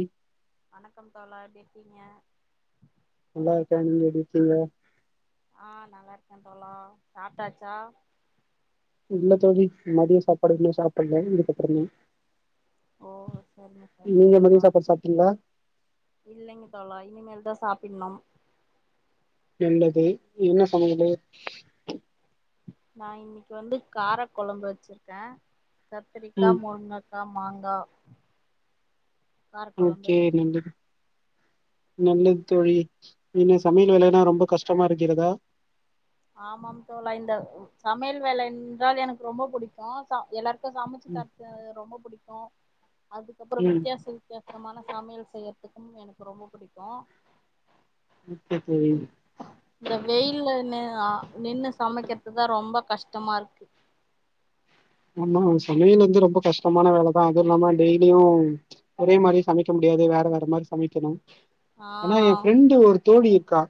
ம் வணக்கம் தோழா எப்டிருக்கீங்க நல்லா இருக்கே நீங்க எப்டி இருக்கீங்க ஆ நல்லாருக்கே தோழா சாப்ட்டாச்சா இல்ல தோழி மதிய சாப்பாடு இன்னு சாப்புல்ல இதுக்கப்புறமே ஓ சரிங்க சரிங்க நீங்க தோழா மதியாள சாப்பாடு சாப்ட்டீங்களா இல்லைங்க தொழா இனிமேல் தா சாப்பிட்ணும் நல்லது என்ன சமையலு நா இன்னிக்கு வந்து காரக் கொழம்பு வச்சிருக்கே கத்திரிக்கா ம் முருங்கக் கா மாங்கா கார கொழம்பு ஓக்கே [unintelligible] நல்லது தோழி என்ன சமையல் ம் வேலைன்னா ரொம்ப கஷ் டமா இருக்கிறதா ஆமாம் தோழா இந்த சமையல் வேல என்றால் எனக்கு ரொம்ப புடிக்கூ சா எல்லாரு க்கூ சமைச்சு ம் தரது ரொம்ப புடிக்கூ அதுக்கப்புறோ ம் வித்தியாச வித்தியா சமான சமையல் செய்யறதுக்கும் எனக்கு ரொம்ப புடிக்கோ இப்ப செரி இந்த வெயிலெனே ஆ நின்னு சமைக்கறது தா ரொம்ப கஷ்டமா இருக்கு ஆமா சமையல வந்து ரொம்ப கஷ்டமான வேலதா அதுவு இல்லாம டெய்லியு ஒரே மாரி சமைக்க முடியாது வேற வேற மாரி சமைக்கணு ஆ ஆனா எ ஃப்ரெண்டு ஒரு தோழி இருக்கா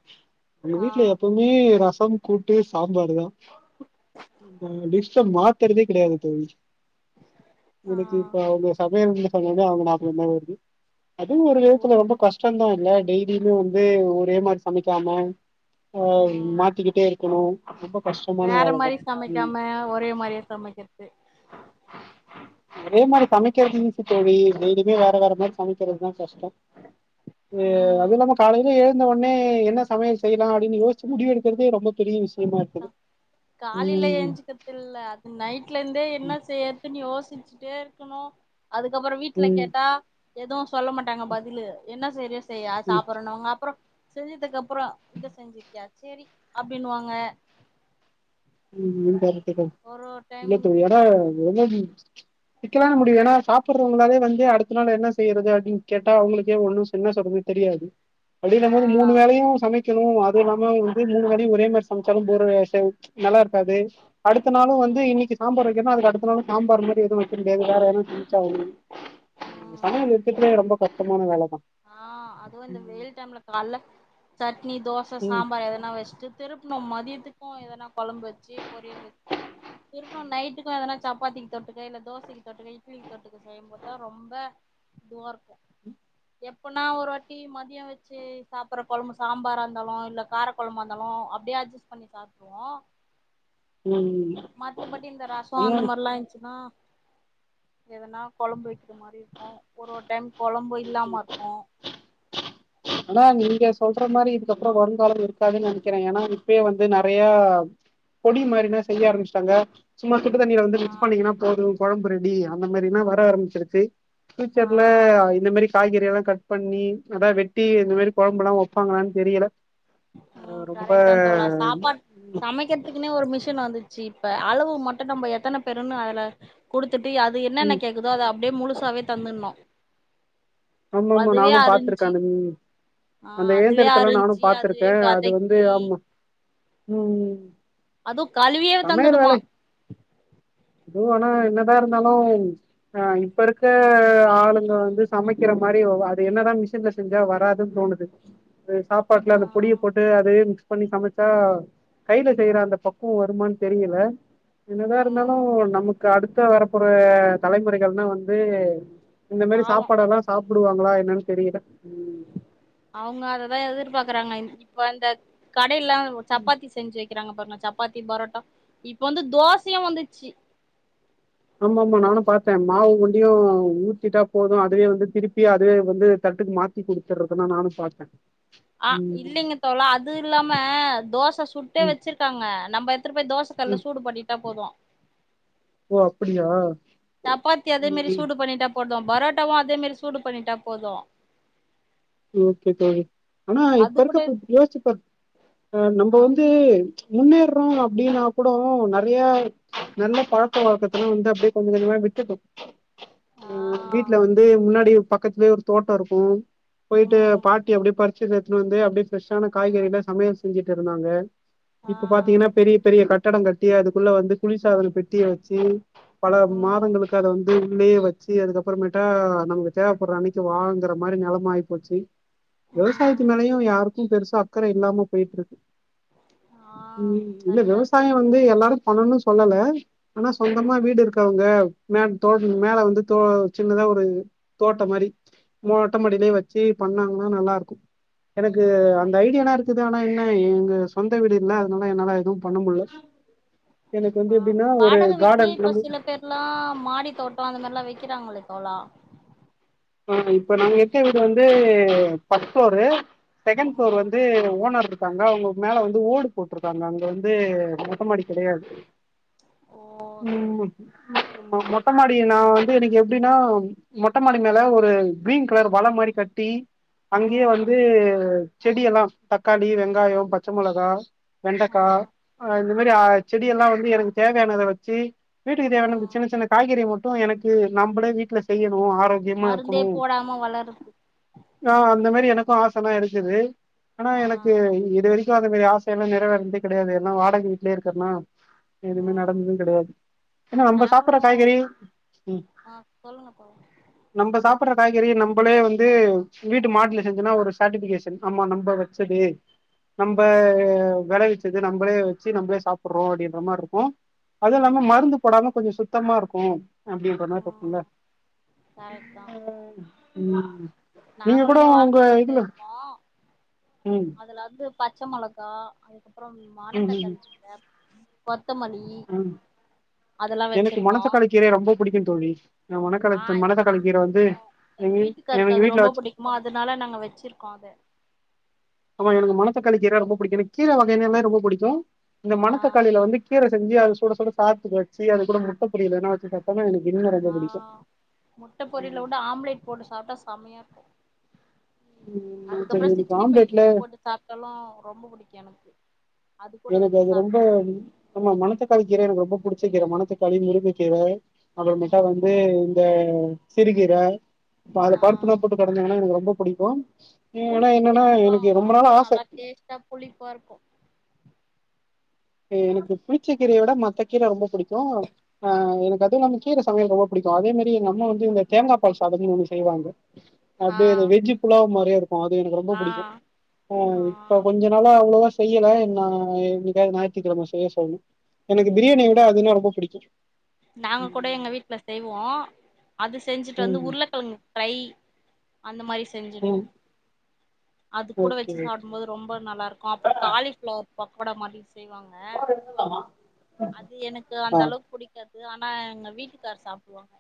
அவங்க ஆ வீட்டுல எப்பயு மே ரசம் கூட்டு சாம்பாரு தா டிஸ்ஸ மாத்தறதே கிடையாது தோழி ஆ எனக்கு இப்ப அவங்க சமையல்னு சொன்னோனே அவங்க ஞாபக தா வருது அதுவு ஒரு விதத்துல ஓஹோ ரொம்ப கஷ்டந்தா இல்ல டெய்லியுமே வந்து ஒரே மாரி சமைக்காம ஆ ம் மாத்திக்கிட்டே இருக்கணு ரொம்ப கஷ் வேற மாரி சமைக்காம ஒரே மாரியே சமைக்கறது [inaudible] ஒரே மாரி சமைக்கறது ஈசி தோழி டெய்லியுமே வேற வேற மாரி சமைக்கறதுதா கஷ்டோ ஏ ம் அது நாம காலைலியே ந்த ஒனே என்ன சமையல் செய்யலா அப்டின்னு யோசிச்சு முடிவெடுக்கறதே ரொம்ப பெரிய விஷ் ஆ காலையில எஞ்சுக்க இல்ல அது நைட்ல இருந்தே என்ன செய்யறதுன் யோசிச்சுட்டே இருக்கணு அதுக்கப்பறோ வீட்ல ம் கேட்டா எதுவு சொல்ல மாட் டாங்க பதிலு என்ன செய்ரியோ செய் ஆ ம் சாப்புரோனாங்க அப்பறோ செஞ்சதுக்கப் பறோ இத செஞ்சிருக்கியா சேரி அப்டின்னுவாங்க ம் ம் கரெக்ட்டு தா ஒரு ஒரு டைம் இல்ல தோழி அதா வெல்லம் சிக்கலான முடியு ஏனா சாப்பிடுறவங்களாவே வந்து அடுத்த நாள் என்ன செய்யறது அப்டின் கேட்டா அவங்களுக்கே ஒன்னு என்ன சொல்லுது தெரியாது வெழிள ஆ போது மூணு வேலையு சமைக்கணு அது இல்லாம வந்து மூணு வேலையு ஒரே மாரி சமைச்சாலு போறசேம் நல்லா இருக்காது அடுத்த நாளு வந்து ம் இன்னைக்கு சாம்பார் வைக்கன்னா அது அடுத்த நாளு சாம்பார் மாதி எதுவு வைக்க முடியாது வேற ஏது செஞ்ச்சா ம் சமையல் இருக்கதுலயே ரொம்ப கஷ்டமான வேலதா ஆ அதுவு இந்த வெயில் டைம்ல கால்ல சட்னி தோச ம் சாம்பார் எதனா வச்சுட்டு திருப்ணு மதியத்துக்கு எதனா கொழம்பு வச்சு பொரியல் வச்சு திருப்ணு நைட்டுக்கு எதனா சப்பாத்திக்கு தொட்டுக்க இல்ல தோசைக்கு தொட்டுக்க இட்லிக்கு தொட்டுக்க செய்யும்போது தா ரொம்ப இதுவா இருக்கு எப்பனா ஒரு வாட்டி மதிய வச்சு சாப்புற கொழம்பு சாம்பாரா இருந்தாலு இல்ல கார கொழம்பா இருந்தாலு அப்டியே அட்ஜஸ்ட் பண்ணி சாப்ட்றுவோ ம் மத்தபடி இந்த ரசோ ஆனா அந்த மாரிலா இருந்துச்சுனா எதனா கொழம்பு வைக்கிற மாரி இருக்கு ஒரு ஒரு டைம் கொழம்பு இல்லாம இருக்கு ஆனா நீங்க சொல்ற மாரி இதுக்கப்புற வருங்காலம் இருக்காதுன் நெனைக்கிறே ஏனா இப்பயே வந்து நெறைய பொடி மாரிலா செய்ய ஆரம்பிச்சிட்டாங்க சும்மா சுடு தண்ணியில வந்து ஆ மிக்ஸ் பண்ணீங்கன்னா போது கொழம்புரெடி அந்த மாரிலா வர ஆரம்பிச்சிருச்சி ஃபியூச்சர்ல ஆ இந்த மாரி காய்கறிலா கட் பண்ணி எதா வெட் டி இந்த மாரி கொழம்புலா வப்பாங்களானு தெரியல அஹ் ம் ரொம்ப கரெக்ட் தா தோழா சாப்பா சமைக்கிறதுக்குனே ஒரு மிஷின் வந்துச்சு இப்ப அளவு மட்டு நம்ப எத்தன பேருனு அதுல குடுத்துட்டு அது அது என்னென்ன ம் கேக்குதோ அத அப்டியே முழுசாவே தந்துனு ஆமா ஆமா நானு பாத்துருக்கே அந்த ம் ஆ அந்த அதுவே இயந்திரத்தல்லா நானு அரிஞ்சு அதுவே பாத்திருக்கே அது வந்து வதக்கி ஆமா ம் அதுவு கழுவியே தந்துடுமா மு ஆனா என்னதா இருந்தாலு ஆ இப்ப இருக்க ஆளுங்க வந்து சமைக்கிற மாரி அது என்னதா மிஷின்ல செஞ்சா வராதுனு தோணுது சாப்பாட்டுல ஆ அந்த பொடிய போட் டு அதையே மிக்ஸ் பண்ணி சமச்சா கையில செய்ற அந்த பக்குவ வருமான் தெரியலா என்னதா இருந்தாலு ம் நம் மக்கு அடுத்த வரப்பற தலைமுறைகள்ன வந்து இந்த மாரி பாவோ சாப்பாடெல்லா சாப்புடுவாங்களா என்னன் தெரியல ம் அவங்க அததா எதிர்பாக்குறாங்க இப்ப அந்த கடையெல்லா சப்பாத்தி செஞ்சு வக் கிறாங்க பாருங்க சப்பாத்தி பரோட்டா இப்ப வந்து தோசயு வந்துச்சி ஆமா ஆமா நானு பாத்தே மாவு வண்டியு ஊத்திட்டா போது அதுவே வந்து திருப்பி அதுவே வந்து தட்டுக்கு மாத் த்தி குடுத்துறதுனா நானு பாத்த ஆ இல்லைங்க தோழா அது இல்லாம தோச சுட்டே ம் வச்சுறு க்காங்க நம்ம எத்தனு பேய் தோச கல்லுல ம் சூடு பன்னிட்டா போது ஓ அப்பிடியா சப்பாத்தி அதே மாரி சூடு பண்ணிட்டா போது பரோட்டாவு அதே மாரி சூடு பண்ணிட்டா போது ஓகே தோழி ஆனா அது இப்ப கூட இருக்க யோசிச்சுபாரு நம்ப ஆ வந்து முன்னேறோ அப்டின்னா கூட நெறைய நல்ல பழக்க வழக்கதல்லா வந்து அப்டியே கொஞ்ச கொஞ்மா விட்டுட்டோ ஆ அ வீட்ல வந்து முன்னாடி பக்கத்துலயே ஒரு தோட்ட இருக்கு போய்ட்டு ம் பாட்டி அப்டியே பறிச்சுன் எட்த்னு வந்து அப்டியே ஃபிரெஷ்ஷான காய்கறில சமையல் செஞ்சிட்டிருந்தாங்க ஆ இப்ப பாத்தீங்கனா பெரிய பெரிய கட்டடோ கட்டி அதுக்குள்ள வந்து குளிர்சாதன பெட்டிய வச்சு பல ம் மாதங்களுக்கு அத வந் து உள்ளயே வச்சு அதுக்கப்புறமேட்டா நமக்கு தேவப்பட்ற அன்னைக்கி வாங்குற மாரி நெலமா ஆய்போச்சி விவசாயத்து ம் மேலயு யாருக்கு பெருசா அக்கற இல்லாம போய்ட்ருக்கு ஆ ம் இல்ல கரெக்டா சொல் விவசாயோ வந்து எல்லாரு பண்ணுனு சொல்லா ஆனா சொந்தமா ம் வீடு இருக்கவ்ங்க மாடி தோடத்துக்கு மேல வந்து தோ சின்னதா ஒரு தோட்டோ மாரி மொட்ட மாடிலே வ ச்சு பண்ணாங்னா நல்லா இருக்கு எனக்கு ஆ அந்த ஐடியாலா இருக் குது ஆனா என்ன எங்க சொந்த வீடு இல்ல அதுனால என்னால எதுவு பண்ணமுல்ல எனக்கு வந்து எப்டினா ஒரு காடன் கீழ வந்து இப்லா மாடி தோட்டோ அந்த மார்ல்லா வைக்கிறாங்ளே தோழா ஆ இப்ப நாங்க இருக்க வீடு வந்து ஃபஸ் ஃப்ளோரு செக்கெண் ஃப்ளோரு ம் வந்து ஓனர்ருக் காங்க அவ்ங்க மேல வந்து ஓடு போட்ருக்காங்க அங்க வந்து மொட்டமாடி கெடையாது ஓ சரி ம் மொட்டமாடி நா வந்து எனக்கு எப்டினா மொட்டமாடி மேல ஒரு கிரீன் கலர் வள மாரி கட்டி அங்கியே ம் வந்து செடியெலா தக்காளி வெங்காயோ பச்ச மொளகா ஆ வெண்டக்கா அ இந்த மாரி ஆ செடியெல்லா வந்து எனக்கு தேவையானத வச்சு வீட்டுக்கு தேவையான இந்த ம் சின்ன சின்ன காய்கறி மட்டு எனக்கு நம்பளே வீட்ல செய்யணு ஆரோக் கியமா மருந்தே இருக்கணு போடாம வளருது ஆ அந்த மாரி எனக்கு ஆசலா இருக்குது ஆனா ஆ எனக்கு இது வரைக்கு அந்த மாரி ஆசையெல்லா நிறைவேற்ந்தே கெடையாது ஏனா வாடக வீட்லே இருக்கற்னா எதுமே ம் நடந்ததே கெடையாது ஏனா நம்ம நாங்களு சாப்புற காய்கறி ம் ஆ சொல்லுங்க தோழா நம்ப சாப்புற காய்கறி நம்பளே வந்து வீட்டு மாடில செஞ்சனா ஒரு சேட்டிபிகேஷன் ஆமா நம்ப வச்சது நம்ப ஆ வெளைவிச்சது நம்பளே வச்சு நம்ளே சாப்புட்றோ அப்டின்ற மார்ருக்கு அதூ இல்லாம ம் மருந்து போடாம கொஞ்சோ சுத்தமா இருக்கு அப்டின்றமார் தோணும்ல ம் கரெக்ட் தா ம் நீங்க கூட நாங்களுமே உங்க வாடக வீட்ல இதுல இருந்தோ ம் அதுல வந்து பச்ச மொளகா அதுக்கப்புறம் ம் ம் மணத்தக்காளி கீர கொத்தமல்லி ம் அதெல்லா வச்சிருக்கோ கீரே ரொம்போ பிடிக்கு தோழி இந்த ஆ மனக்கலத்து மணத்தக்காளி கீர எனக்கு வந்து [unintelligible] ஏனா எங்க வீட்ல வச்சு மா அதுனால நாங்க வச்சிருக்கோ அத ஆமா எனக்கு மணத்தக்காளி கீர ரொம்ப பிடிக்கு எனக்கு கீர வகைங்களா ரொம்ப பிடிக்கு இந்த ஆ மணத்தக்காளில வந்து கீர செஞ்சு அது சுட சுட சாதத்துக் வச்சு அது கூட முட்ட பொரியல் எதுனா வச்சு சாப் ட்டாதா எனக் அன்னைக் எதுமே வேணா ஆ முட்ட பொரியல உட ஆம்லேட் போட்டு சாப்ட்டா சமையா இருக்கு உம் அது அதுக்கப்புறோ எனக்கு சிக்ஸ்ட்டி ஃபை ஆம்லெட்ல போட்டு சாப்ட்டாலு ரொம்ப பிடிக்கு எனக்கு அது கூட எனக்கு வச்சு அது ரொம்ப சாப்டுறது ஆமா மணத்தக்காளி கீர எனக்கு ரொம்ப புடிச்ச கீர மணத்தக்காளி முருங்கக்கீர அப்புறமேட்டா ம் வந்து இந்த சிறுகீர இப்ப அதுல ஆ பருப்புலா போட்டு கடஞ்சாங்குனா எனக்கு ரொம்ப புடிக்கு புளிச்சகீரக்லா அப்டியே நல்லா டேஸ்ட்டா புளிப்பா இருக்கு எனக்கு புளிச்ச கீரய விட மத்த கீர ரொம்ப புடிக்கு ஆ எனக்கு அது இல்லாம இந்த கீர சமையல் ரொம்ப புடிக்கு அதே மாரி எங்க அம்மா வந்து இந்த தேங்கா பால் சாதம்னு ஒன்னு செய்வாங்க ஆ அப்டியே அந்த வெஜ்ஜு புலாவ் மாரியே இருக்கு அது எனக்கு ரொம்ப ஆ பிடிக்கு ஆ இப்ப போய் கொஞ்ச நாள அவ்ளோவா செய்யல நா இந்த வார ஞாயிற்றுகெழமை செய்ய சொல்ணு எனக்கு பிரியாணிய விட ம் அதுனா ரொம்ப பிடிக்கு நாங்க கூட எங்க வீட்ல செய்வோ அது செஞ்சுட்டு வந்து உருளக்கெழங்கு ஃப்ரை அந்த மாரி செஞ்சுடுவோ ம் அது கூட ஓகே வச்சு ஓகே சாப்டும்போது ரொம்ப நல்லா இருக்கு அப்றோ காலிஃப்ளவர் பக்கோடா மாரி செய்வாங்க அது எனக்கு அந்த ஆ அளவுக்கு புடிக் கது ஆனா எங்க வீட்டுக்கார் சாப்டுவாங்க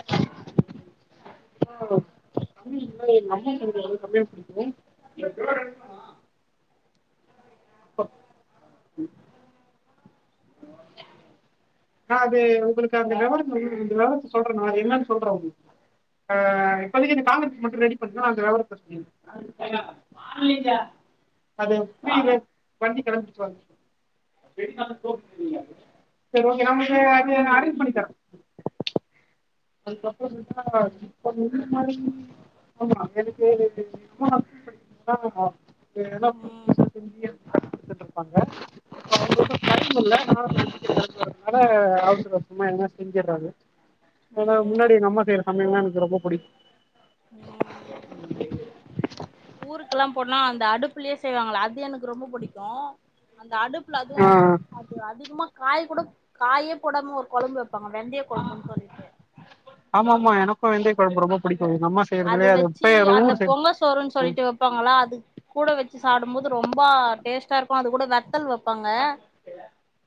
அ [unintelligible] அந் கம் புடிக்கு எப்பயோ [unintelligible] [inaudible] ஆஹ அது உங்களுக்கு அந்த லெவல அ அ அது உங்களுக்கு அந்த லெவலுக்கு சொல்றே நா என்னான் சொல்றோ உங்களுக்கு அ இப்போதைக்கு இந்த காங்கெண்டஸ் மட்டும் ரெடி பண்ணு அந்த விவரத்த சொல்லிரே [unintelligible] அது வண்டி கெளம்பிட்டோ [unintelligible] சரி ஓகே நா இத அரேஞ்ச் பண்ணி தர அதுக்கப்றோந்தா இப்ப முன்ன மாரி ஆமா எனக்கு ரெண்டு [unintelligible] எதுனா ம் புடுச்சு [unintelligible] செஞ்சட்டு இருப்பாங்க ம் [unintelligible] டைம் இல்ல [unintelligible] னால அவசற அவசறம்மா எதுன்னா செஞ்சுடுறது அதா ம் முன்னாடி எங்க அம்மா செய்ற சமயல் தா எனக்கு ரொம்ப பிடிக்கு உம் ஊருக்கெல்லா போனா அந்த அடுப்லயே செய்வாங்ள அது எனக்கு ரொம்ப புடிக்கு அந்த அடுப்ல அதுவு ஆஹ் அது அதிகமா காய் கூட காயே போடாம ஒரு குழம்பு வைப் ப்பாங்க வெந்தைய கொழம்புன்னு சொல்லிட்டு ஆமா ஆமா எனக்கு வெந்தய குழம்பு ரொம்ப புடிக்கு எங்க அம்மா செய் அத வெச்சு அந்த பொங்க சோ ருன்னு ம் சொல்ட்டு வப்பாங்களா அது கூட வச்சு சாப்டும்போது ரொம்ப டேஸ்டா இருக்கு அது கூட வத்தல் வப் ப்பாங்க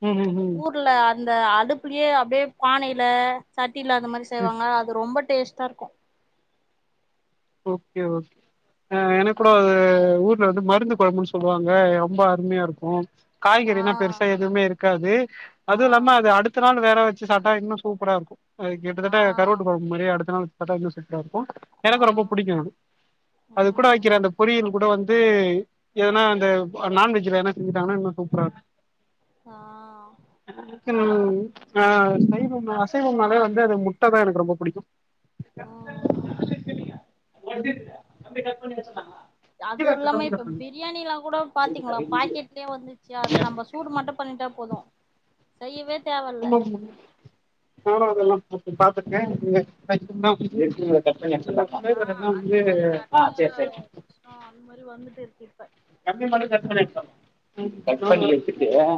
ம் ம் ஊர்ல அந்த அடுப்லயே அப்டியே பானையில சட்டியில அந்த மாரி செய்வாங்க அது ரொம்ப டேஸ்ட்டா இருக்கு ஓகே ஓகே அ எனக்கு கூட அது ஊர்ல இருந்து மருந்து கொழம்புன்னு சொல்லுவாங்க ரொம்ப அருமையா இருக்கு ஆ காய்கறில்லா பெருசா எதுவுமே இருக்காது ஆ அதுவு இல்லாம அது அடுத் இத்த நாள் வேற வச்சு சாப்டா இன்னு சூப்பரா இருக்கும் அது ஆ கிட்டத்தட்ட கருவாட்டு கொழம் முறைய அடுத்த நாள் வெச்சி சாப்ட்டா இன்னு சூப்பரா இருக்கும் ஆ எனக்கு ரொம்ப புடிக்கும் அது கூட ம் வெக்கிற அந்த பொறியல் கூட வந்து எதனா அந்த நான்வெஜ்ல எதனா செஞ்சுட்டாங்னா இன்னு சூப்பரா இருக்கும் ஆ எனக்கு ஆ சைவம் அசைவம்னாலே வந்து அது முட்ட தா எனக்கு ரொம்ப பிடிக்கும் உம் எப்டி இருக்குது அப்டியே கட்பண்ணி வச்சர்லாமா அது இல்லாம இப்ப பிரியாணிலாம் கூட பாத்தீங்களா பாக்கெட்லயே வந்துச்சு அது நம்ம சூ சூடு மட்டும் பண்ணிட்டா போது செய்யவே தேவ என்னாது போனவங்கெல்லாம் திருப்பி பாத்திர்கே [unintelligible] கட் பண்ணி எடுத்துரலாம் கட ஆ இப்ப ரெண்டு நாள் லீவ் அ சேர் சேர் ஆ அந்த மாரி வந்துட்டு இருக்கு இப்ப கம்பி மட்டும் கட் பன்னி எடுத்துட்டு வரணூ இப்போ கட் பண்ணி எடுத்துட்டியா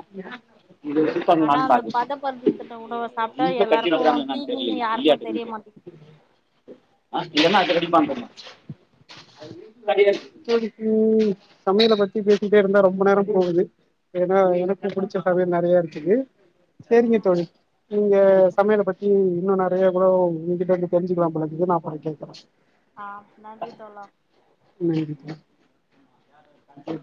இது ஃபிட் ஆனா பண்ளான் அந்த பாக்குது பதப்படுத்தின உணவ சாப்ட்டா இதுபோய் எல்லாருக்கு [unintelligible] தீங்குன்னு தெர்லியே யாருக்கு நெய்யாட்டு தெரிய இருகுது மாட்டேங்குது எதுக்கு சமையல பத்தி பேசிட்டே இருந்தா ரொம்ப நேரம் போவுது ஏன்னா எனக்கு புடிச்ச சமையல் நெறைய இருக்குது சேரிங்க ம் தோழி நீங்க சரிங்க தோழா சமையல பத் ம் இன்னு நெறைய கூடோ உங்கிட்டருந்து தெரிஞ்சுக்கலா போலருக்குது நா அப்பற கேக்கற ஆ நன்றி தோழா ம் எப்